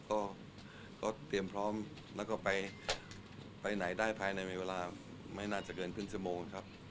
ก็เตรียมพร้อมแล้วก็ไปไหนได้ภายในไว้เวลาไม่นานจะเกิน๑๐โมงครับ